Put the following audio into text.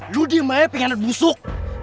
lu diem aja pengen busuk